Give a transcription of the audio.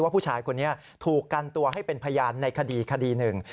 ผู้ชายคนนี้ถูกกันตัวให้เป็นพยานในคดีคดีหนึ่ง